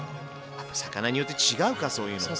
やっぱ魚によって違うかそういうのって。